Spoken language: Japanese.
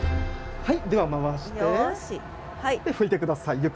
はい。